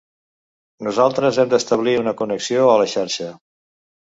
Nosaltres hem d'establir una connexió a la xarxa.